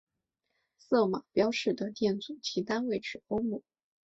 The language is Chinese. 色码标示的电阻其单位取欧姆。